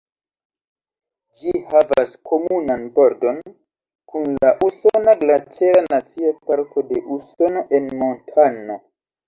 Ĝi havas komunan bordon kun la usona Glaĉera Nacia Parko de Usono en Montano.